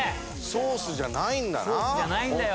ソースじゃないんだよ。